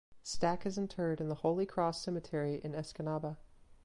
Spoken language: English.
Stack is interred in the Holy Cross Cemetery in Escanaba.